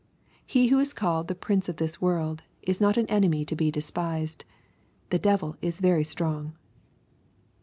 He who is called the " Prince of this world," is not an enemy to be despised. The devil is very strong.